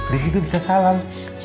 dia juga bisa salam